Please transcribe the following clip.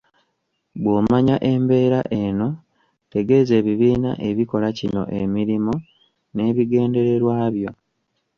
Bw’omanya embeera eno, tegeeza ebibiina ebikola kino emirimo n’ebigendererwa byo.